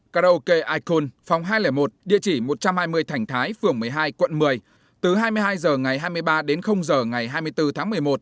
karaoke icon phòng hai trăm linh một địa chỉ một trăm hai mươi thành thái phường một mươi hai quận một mươi từ hai mươi hai h ngày hai mươi ba đến h ngày hai mươi bốn tháng một mươi một